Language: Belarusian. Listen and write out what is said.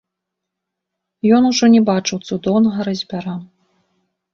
Ён ужо не бачыў цудоўнага разьбяра.